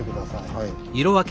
はい。